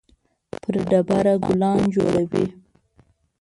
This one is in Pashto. پر ډبره ګلان جوړوي